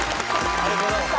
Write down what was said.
ありがとうございます。